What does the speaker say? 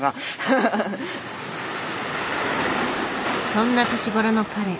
そんな年頃の彼。